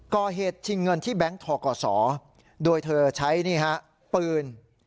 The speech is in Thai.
ก่อเหตุชิงเงินที่แบงค์ทกศโดยเธอใช้นี่ฮะปืน